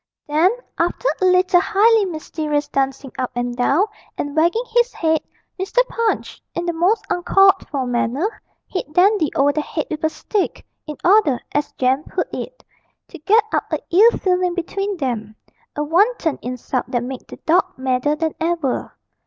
Then, after a little highly mysterious dancing up and down, and wagging his head, Mr. Punch, in the most uncalled for manner, hit Dandy over the head with a stick, in order, as Jem put it, 'to get up a ill feeling between them' a wanton insult that made the dog madder than ever.